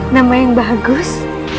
nama yang bagus